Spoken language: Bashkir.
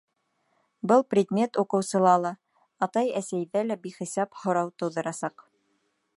Был предмет уҡыусыла ла, атай-әсәйҙә лә бихисап һорау тыуҙырасаҡ.